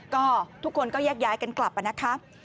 ก็ทุกคนก็แยกย้ายกันกลับนะคะ